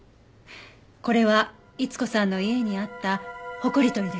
これは逸子さんの家にあったホコリ取りですね。